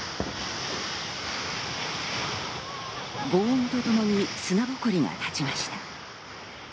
轟音とともに砂ぼこりが立ちました。